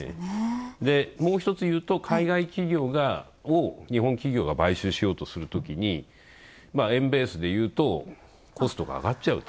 もう一つ言うと、海外企業を日本企業が買収しようとするときに円ベースでいうと、コストが上がっちゃうと。